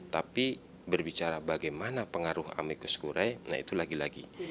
tapi berbicara bagaimana pengaruh amerika skurai nah itu lagi lagi